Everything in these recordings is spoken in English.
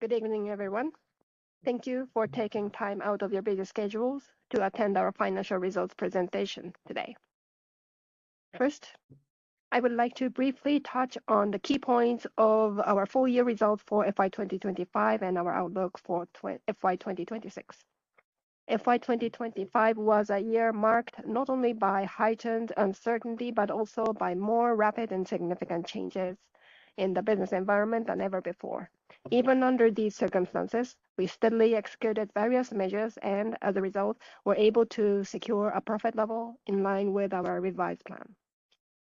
Good evening, everyone. Thank you for taking time out of your busy schedules to attend our financial results presentation today. First, I would like to briefly touch on the key points of our full year results for FY2025 and our outlook for FY2026. FY2025 was a year marked not only by heightened uncertainty, but also by more rapid and significant changes in the business environment than ever before. Even under these circumstances, we steadily executed various measures and, as a result, were able to secure a profit level in line with our revised plan.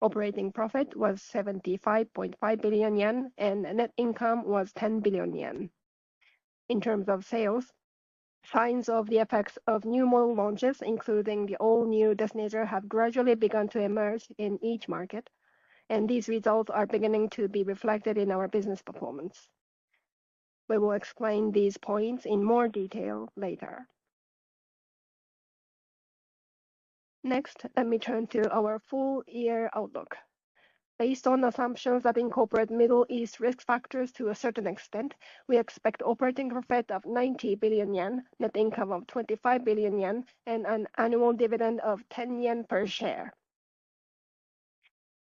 Operating profit was 75.5 billion yen, and net income was 10 billion yen. In terms of sales, signs of the effects of new model launches, including the all-new Destinator, have gradually begun to emerge in each market, and these results are beginning to be reflected in our business performance. We will explain these points in more detail later. Next, let me turn to our full year outlook. Based on assumptions that incorporate Middle East risk factors to a certain extent, we expect operating profit of 90 billion yen, net income of 25 billion yen, and an annual dividend of 10 yen per share.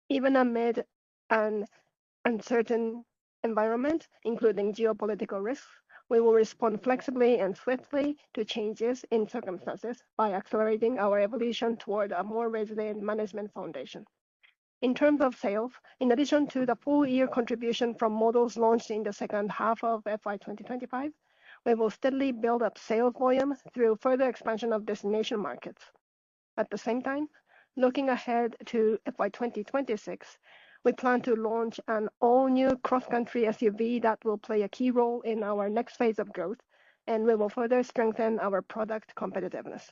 Even amid an uncertain environment, including geopolitical risks, we will respond flexibly and swiftly to changes in circumstances by accelerating our evolution toward a more resilient management foundation. In terms of sales, in addition to the full year contribution from models launched in the second half of FY2025, we will steadily build up sales volume through further expansion of destination markets. At the same time, looking ahead to FY2026, we plan to launch an all-new cross-country SUV that will play a key role in our next phase of growth, and we will further strengthen our product competitiveness.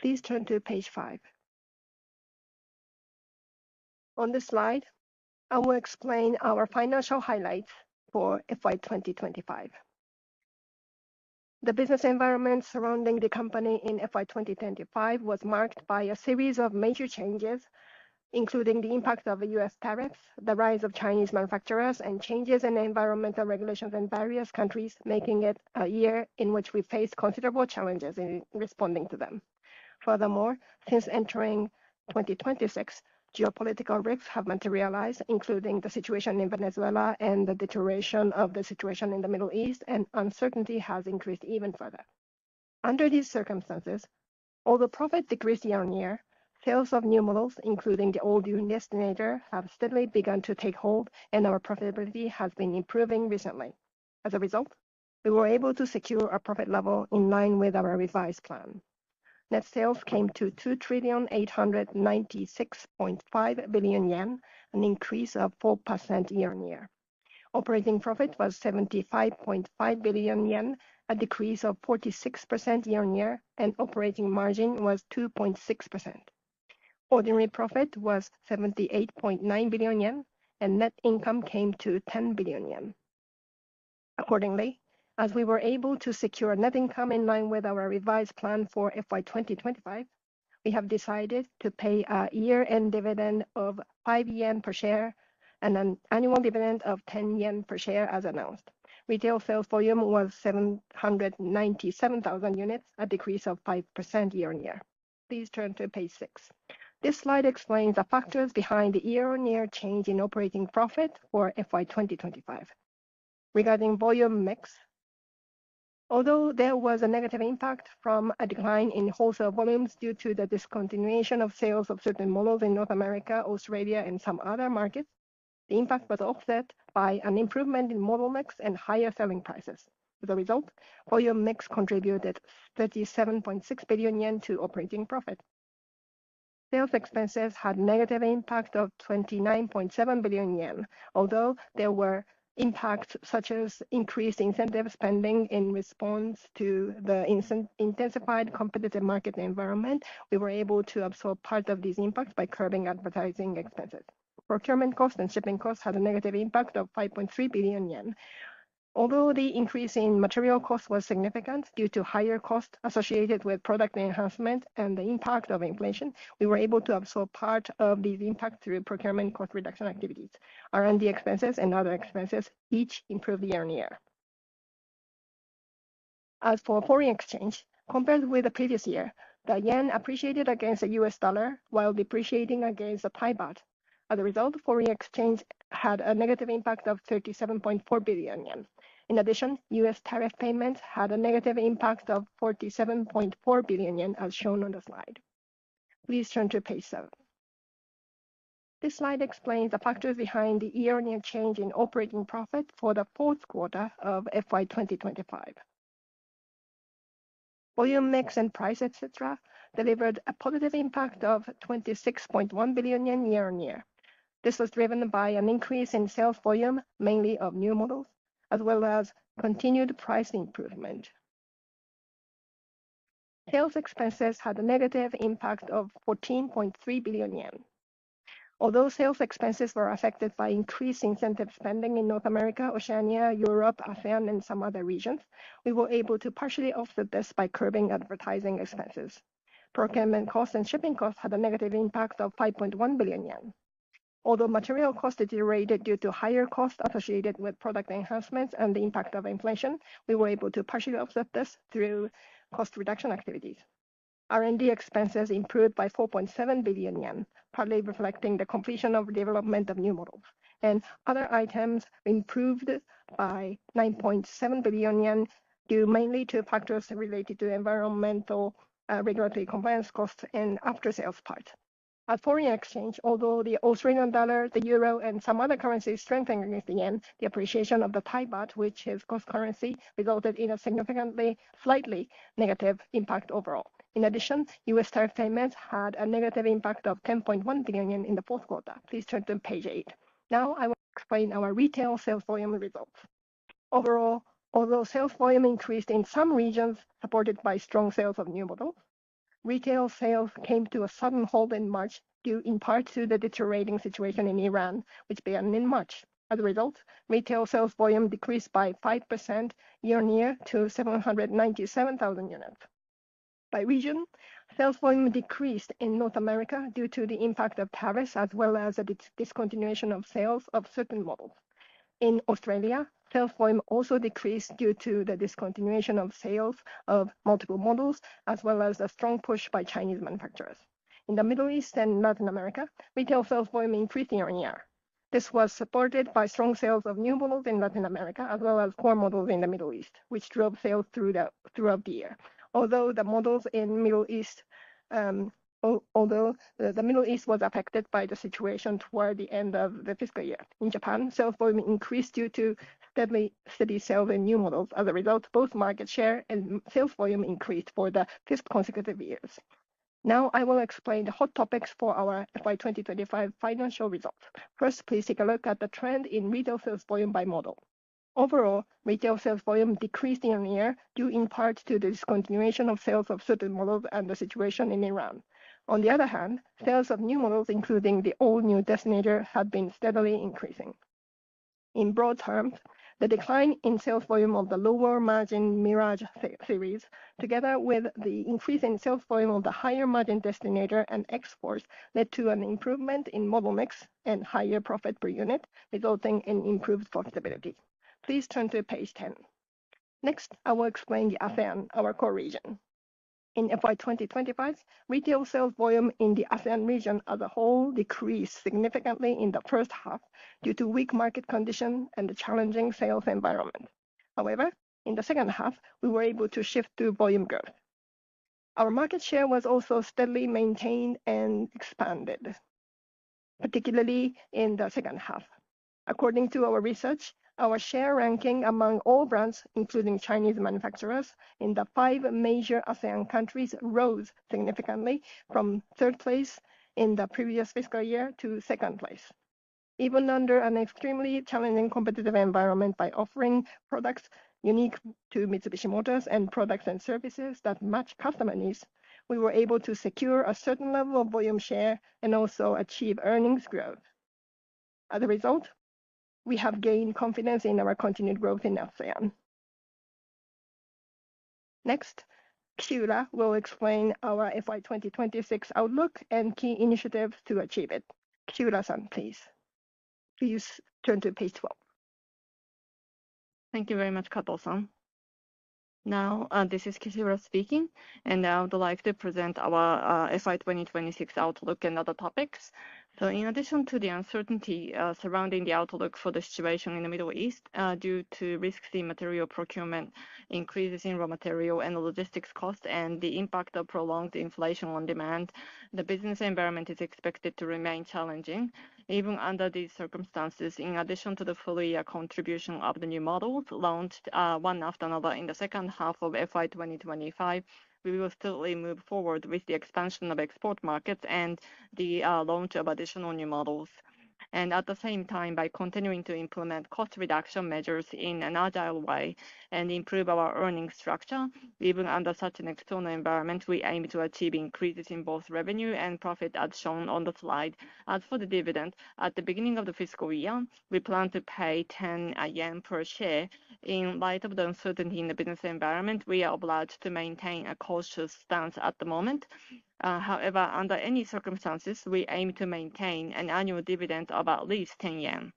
Please turn to page five. On this slide, I will explain our financial highlights for FY2025. The business environment surrounding the company in FY2025 was marked by a series of major changes, including the impact of the U.S. tariffs, the rise of Chinese manufacturers, and changes in environmental regulations in various countries, making it a year in which we faced considerable challenges in responding to them. Since entering 2026, geopolitical risks have materialized, including the situation in Venezuela and the deterioration of the situation in the Middle East, and uncertainty has increased even further. Under these circumstances, although profit decreased year-on-year, sales of new models, including the all-new Destinator, have steadily begun to take hold, and our profitability has been improving recently. As a result, we were able to secure a profit level in line with our revised plan. Net sales came to 2,896.5 billion yen, an increase of 4% year-on-year. Operating profit was 75.5 billion yen, a decrease of 46% year-on-year, and operating margin was 2.6%. Ordinary profit was 78.9 billion yen, and net income came to 10 billion yen. Accordingly, as we were able to secure net income in line with our revised plan for FY 2025, we have decided to pay a year-end dividend of 5 yen per share and an annual dividend of 10 yen per share as announced. Retail sales volume was 797,000 units, a decrease of 5% year-on-year. Please turn to page six. This slide explains the factors behind the year-on-year change in operating profit for FY 2025. Regarding volume mix, although there was a negative impact from a decline in wholesale volumes due to the discontinuation of sales of certain models in North America, Australia, and some other markets, the impact was offset by an improvement in model mix and higher selling prices. As a result, volume mix contributed 37.6 billion yen to operating profit. Sales expenses had negative impact of 29.7 billion yen. Although there were impacts such as increased incentive spending in response to the intensified competitive market environment, we were able to absorb part of these impacts by curbing advertising expenses. Procurement costs and shipping costs had a negative impact of 5.3 billion yen. Although the increase in material cost was significant due to higher costs associated with product enhancement and the impact of inflation, we were able to absorb part of this impact through procurement cost reduction activities. R&D expenses and other expenses each improved year-on-year. As for foreign exchange, compared with the previous year, the yen appreciated against the US dollar while depreciating against the Thai baht. As a result, foreign exchange had a negative impact of 37.4 billion yen. In addition, U.S. tariff payments had a negative impact of 47.4 billion yen, as shown on the slide. Please turn to page seven. This slide explains the factors behind the year-on-year change in operating profit for the fourth quarter of FY 2025. Volume mix and price, et cetera, delivered a positive impact of 26.1 billion yen year-on-year. This was driven by an increase in sales volume, mainly of new models, as well as continued price improvement. Sales expenses had a negative impact of 14.3 billion yen. Although sales expenses were affected by increased incentive spending in North America, Oceania, Europe, ASEAN, and some other regions, we were able to partially offset this by curbing advertising expenses. Procurement costs and shipping costs had a negative impact of 5.1 billion yen. Although material cost deteriorated due to higher cost associated with product enhancements and the impact of inflation, we were able to partially offset this through cost reduction activities. R&D expenses improved by 4.7 billion yen, partly reflecting the completion of development of new models. Other items improved by 9.7 billion yen, due mainly to factors related to environmental regulatory compliance costs and after-sales part. At foreign exchange, although the Australian dollar, the euro, and some other currencies strengthened against the yen, the appreciation of the Thai baht, which is cost currency, resulted in a significantly slightly negative impact overall. In addition, U.S. tariff payments had a negative impact of 10.1 billion yen in the fourth quarter. Please turn to page eight. Now I will explain our retail sales volume results. Overall, although sales volume increased in some regions supported by strong sales of new models, retail sales came to a sudden halt in March due in part to the deteriorating situation in Iran, which began in March. As a result, retail sales volume decreased by 5% year-on-year to 797,000 units. By region, sales volume decreased in North America due to the impact of Tariffs as well as the discontinuation of sales of certain models. In Australia, sales volume also decreased due to the discontinuation of sales of multiple models as well as a strong push by Chinese manufacturers. In the Middle East and Latin America, retail sales volume increased year-on-year. This was supported by strong sales of new models in Latin America as well as core models in the Middle East, which drove sales throughout the year. The Middle East was affected by the situation toward the end of the fiscal year. In Japan, sales volume increased due to steady sale in new models. Both market share and sales volume increased for the fifth consecutive years. Now I will explain the hot topics for our FY2025 financial results. First, please take a look at the trend in retail sales volume by model. Overall, retail sales volume decreased year-on-year due in part to the discontinuation of sales of certain models and the situation in Iran. On the other hand, sales of new models, including the all-new Destinator, have been steadily increasing. In broad terms, the decline in sales volume of the lower margin Mirage SE-series, together with the increase in sales volume of the higher margin Destinator and XFORCE, led to an improvement in model mix and higher profit per unit, resulting in improved profitability. Please turn to page 10. Next, I will explain the ASEAN, our core region. In FY 2025, retail sales volume in the ASEAN region as a whole decreased significantly in the first half due to weak market condition and the challenging sales environment. However, in the second half, we were able to shift to volume growth. Our market share was also steadily maintained and expanded, particularly in the second half. According to our research, our share ranking among all brands, including Chinese manufacturers in the five major ASEAN countries, rose significantly from third place in the previous fiscal year to second place. Even under an extremely challenging competitive environment by offering products unique to Mitsubishi Motors and products and services that match customer needs, we were able to secure a certain level of volume share and also achieve earnings growth. As a result, we have gained confidence in our continued growth in ASEAN. Next, Keisuke Kishiura will explain our FY 2026 outlook and key initiatives to achieve it. Keisuke Kishiura-san, please. Please turn to page 12. Thank you very much, Kato-san. Now, this is Keisuke Kishiura speaking, and I would like to present our FY 2026 outlook and other topics. In addition to the uncertainty surrounding the outlook for the situation in the Middle East, due to risks in material procurement, increases in raw material and logistics cost, and the impact of prolonged inflation on demand, the business environment is expected to remain challenging. Even under these circumstances, in addition to the full year contribution of the new models launched, one after another in the second half of FY 2025, we will steadily move forward with the expansion of export markets and the launch of additional new models. At the same time, by continuing to implement cost reduction measures in an agile way and improve our earnings structure, even under such an external environment, we aim to achieve increases in both revenue and profit as shown on the slide. As for the dividend, at the beginning of the fiscal year, we plan to pay 10 yen per share. In light of the uncertainty in the business environment, we are obliged to maintain a cautious stance at the moment. However, under any circumstances, we aim to maintain an annual dividend of at least 10 yen.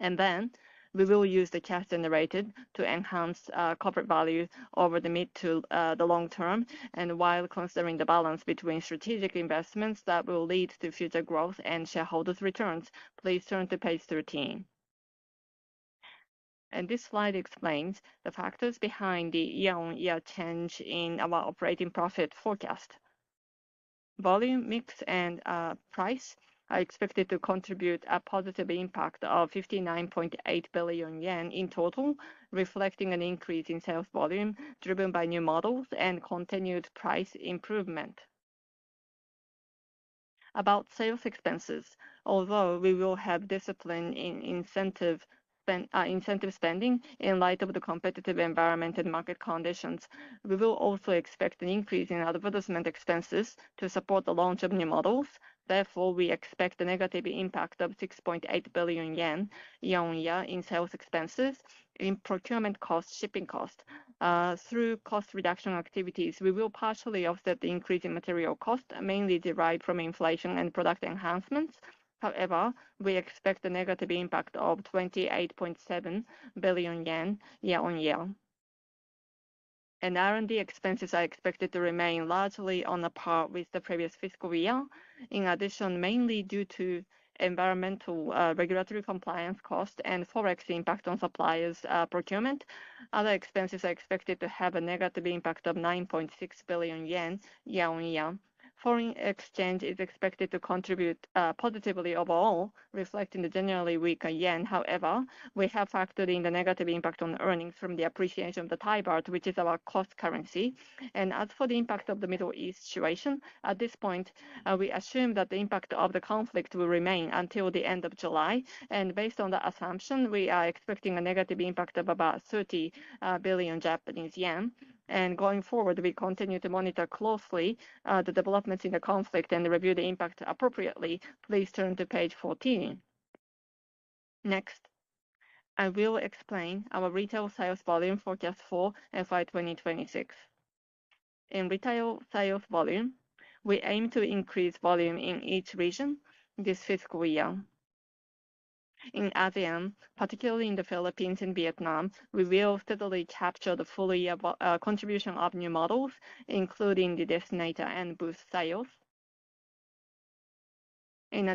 Then we will use the cash generated to enhance corporate value over the mid to the long term, and while considering the balance between strategic investments that will lead to future growth and shareholders' returns. Please turn to page 13. This slide explains the factors behind the year-over-year change in our operating profit forecast. Volume mix and price are expected to contribute a positive impact of 59.8 billion yen in total, reflecting an increase in sales volume driven by new models and continued price improvement. About sales expenses, although we will have discipline in incentive spending in light of the competitive environment and market conditions, we will also expect an increase in advertisement expenses to support the launch of new models. We expect a negative impact of 6.8 billion yen year-over-year in sales expenses. In procurement cost, shipping cost, through cost reduction activities, we will partially offset the increase in material cost, mainly derived from inflation and product enhancements. However, we expect a negative impact of 28.7 billion yen year-on-year. R&D expenses are expected to remain largely on par with the previous fiscal year. In addition, mainly due to environmental, regulatory compliance cost and Forex impact on suppliers, procurement, other expenses are expected to have a negative impact of 9.6 billion yen year-on-year. Foreign exchange is expected to contribute positively overall, reflecting the generally weaker yen. However, we have factored in the negative impact on earnings from the appreciation of the Thai baht, which is our cost currency. As for the impact of the Middle East situation, at this point, we assume that the impact of the conflict will remain until the end of July. Based on the assumption, we are expecting a negative impact of about 30 billion Japanese yen. Going forward, we continue to monitor closely the developments in the conflict and review the impact appropriately. Please turn to page 14. Next, I will explain our retail sales volume forecast for FY2026. In retail sales volume, we aim to increase volume in each region this fiscal year. In ASEAN, particularly in the Philippines and Vietnam, we will steadily capture the full year contribution of new models, including the Destinator and boost sales. In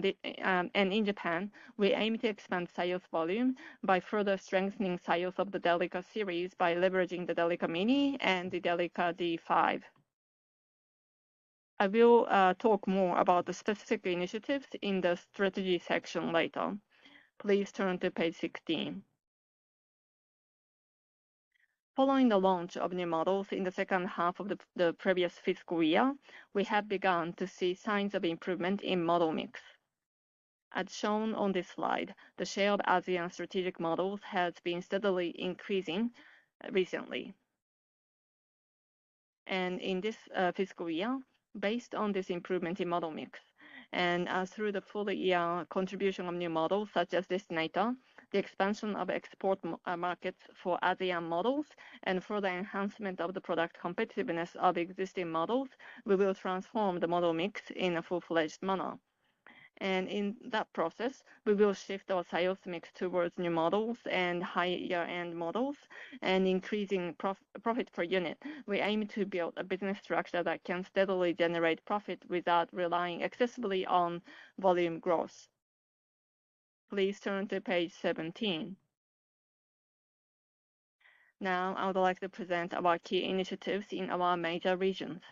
Japan, we aim to expand sales volume by further strengthening sales of the Delica series by leveraging the Delica Mini and the Delica D:5. I will talk more about the specific initiatives in the strategy section later. Please turn to page 16. Following the launch of new models in the second half of the previous fiscal year, we have begun to see signs of improvement in model mix. As shown on this slide, the share of ASEAN strategic models has been steadily increasing recently. In this fiscal year, based on this improvement in model mix and through the full year contribution of new models such as Destinator, the expansion of export markets for ASEAN models and further enhancement of the product competitiveness of existing models, we will transform the model mix in a full-fledged manner. In that process, we will shift our sales mix towards new models and higher year-end models and increasing profit per unit. We aim to build a business structure that can steadily generate profit without relying excessively on volume growth. Please turn to page 17. Now I would like to present our key initiatives in our major regions.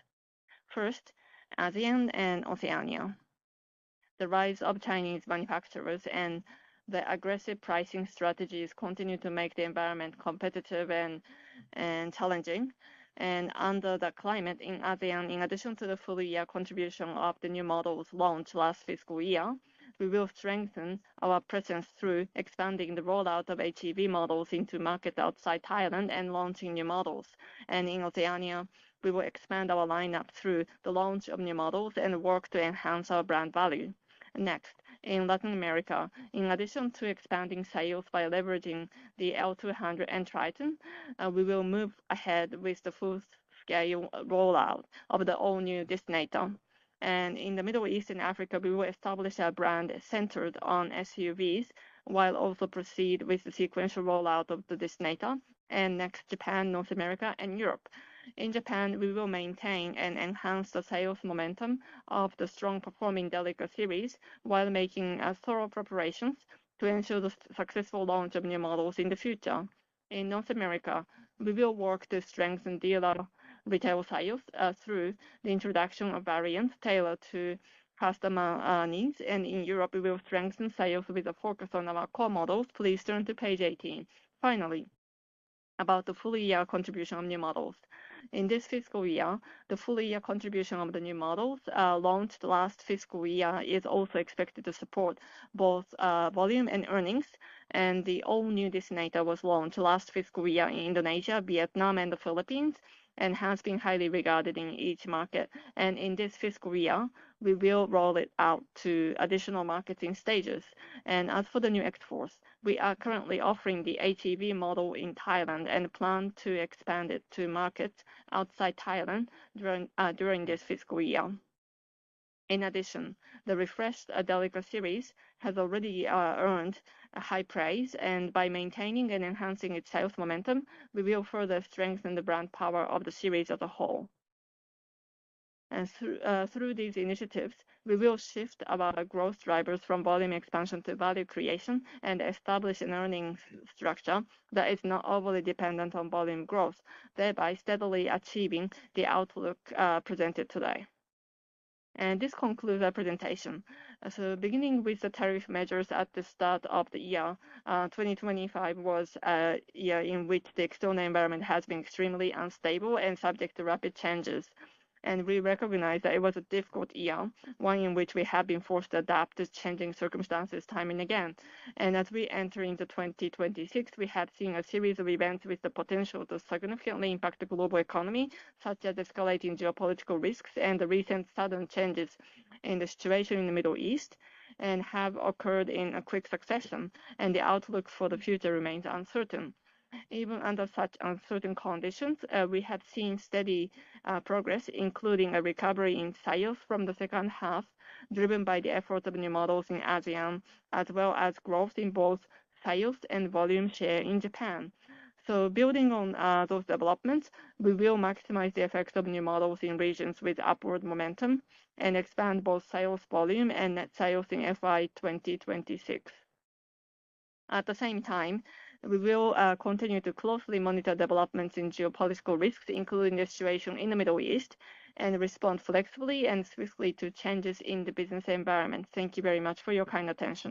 First, ASEAN and Oceania. The rise of Chinese manufacturers and their aggressive pricing strategies continue to make the environment competitive and challenging. Under the climate in ASEAN, in addition to the full year contribution of the new models launched last fiscal year, we will strengthen our presence through expanding the rollout of HEV models into markets outside Thailand and launching new models. In Oceania, we will expand our lineup through the launch of new models and work to enhance our brand value. Next, in Latin America, in addition to expanding sales by leveraging the L200 and Triton, we will move ahead with the full scale rollout of the all-new Destinator. In the Middle East and Africa, we will establish our brand centered on SUVs, while also proceed with the sequential rollout of the Destinator. Next, Japan, North America and Europe. In Japan, we will maintain and enhance the sales momentum of the strong performing Delica series while making thorough preparations to ensure the successful launch of new models in the future. In North America, we will work to strengthen dealer retail sales through the introduction of variants tailored to customer needs. In Europe, we will strengthen sales with a focus on our core models. Please turn to page 18. About the full year contribution of new models. In this fiscal year, the full year contribution of the new models launched last fiscal year is also expected to support both volume and earnings. The all-new Destinator was launched last fiscal year in Indonesia, Vietnam and the Philippines and has been highly regarded in each market. In this fiscal year, we will roll it out to additional markets in stages. As for the new Xpander, we are currently offering the HEV model in Thailand and plan to expand it to markets outside Thailand during this fiscal year. In addition, the refreshed Delica series has already earned high praise, by maintaining and enhancing its sales momentum, we will further strengthen the brand power of the series as a whole. Through these initiatives, we will shift our growth drivers from volume expansion to value creation and establish an earnings structure that is not overly dependent on volume growth, thereby steadily achieving the outlook presented today. This concludes our presentation. Beginning with the tariff measures at the start of the year, FY 2025 was a year in which the external environment has been extremely unstable and subject to rapid changes. We recognize that it was a difficult year, one in which we have been forced to adapt to changing circumstances time and again. As we enter into FY 2026, we have seen a series of events with the potential to significantly impact the global economy, such as escalating geopolitical risks and the recent sudden changes in the situation in the Middle East and have occurred in a quick succession, and the outlook for the future remains uncertain. Even under such uncertain conditions, we have seen steady progress, including a recovery in sales from the second half, driven by the efforts of new models in ASEAN, as well as growth in both sales and volume share in Japan. Building on those developments, we will maximize the effects of new models in regions with upward momentum and expand both sales volume and net sales in FY2026. At the same time, we will continue to closely monitor developments in geopolitical risks, including the situation in the Middle East, and respond flexibly and swiftly to changes in the business environment. Thank you very much for your kind attention.